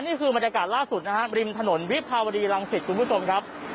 นี่คือบรรยากาศล่าสุดนะฮะริมถนนวิภาวดีรังสิตคุณผู้ชมครับ